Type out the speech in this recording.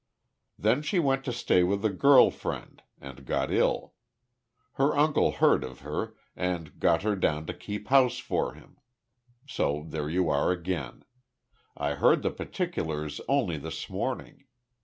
"Then she went to stay with a girl friend and got ill. Her uncle heard of her, and got her down to keep house for him. So there you are again. I heard the particulars only this morning.